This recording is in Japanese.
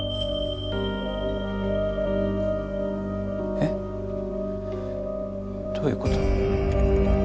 えっ？どういうこと？